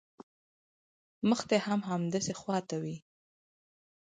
مخ دې هم همدې خوا ته وي.